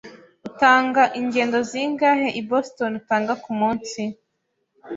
Utanga ingendo zingahe i Boston utanga kumunsi?